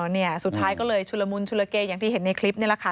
เนี่ยสุดท้ายก็เลยชุลมุนชุลเกอย่างที่เห็นในคลิปนี่แหละค่ะ